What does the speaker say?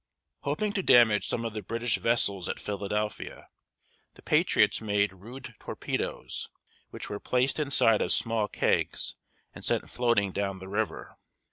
Hoping to damage some of the British vessels at Philadelphia, the patriots made rude torpedoes, which were placed inside of small kegs and sent floating down the river.